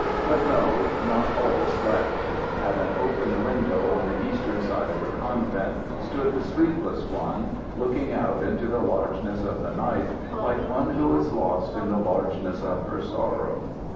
But no, not all slept. At an open window on the eastern side of the convent stood the sleepless one, looking out into the largeness of the night like one who is lost in the largeness of her sorrow.